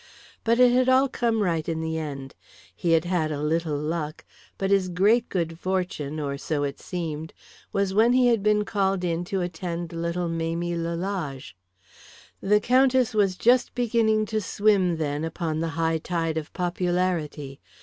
But it had all come right in the end. He had had a little luck, but his great good fortune, or so it seemed, was when he had been called in to attend little Mamie Lalage. The Countess was just beginning to swim then upon the high tide of popularity.